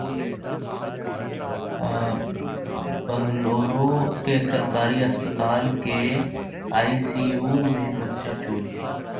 بنگلورو کے سرکاری اسپتال کے آئی سی یو سے بچہ چوری